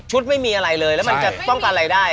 ไม่มีอะไรเลยแล้วมันจะป้องกันอะไรได้